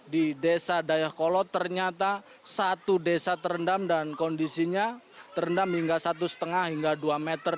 di desa dayakolot ternyata satu desa terendam dan kondisinya terendam hingga satu lima hingga dua meter